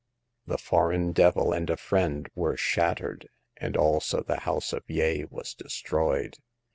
The foreign devil and a friend were shattered, and also the house of Yeh was destroyed.